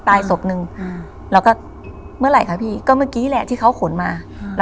ตายศพหนึ่งแล้วก็เมื่อไหร่คะพี่ก็เมื่อกี้แหละที่เขาขนมา